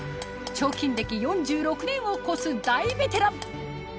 彫金歴４６年を超す大ベテラン